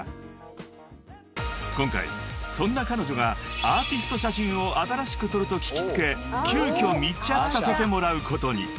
［今回そんな彼女がアーティスト写真を新しく撮ると聞きつけ急きょ密着させてもらうことに］